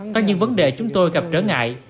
có những vấn đề chúng tôi gặp trở ngại